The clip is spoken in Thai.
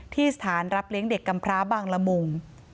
ที่สถานรับเลี้ยงเด็กกำพร้าบางละมุง